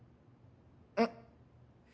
えっ。